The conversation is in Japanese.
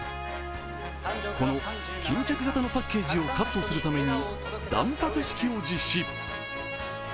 この巾着形のパッケージをカットするために断髪式を実施。